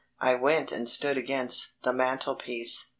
I went and stood against the mantel piece.